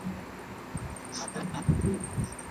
وزیران به نړیوالي اړیکي پیاوړي کړي.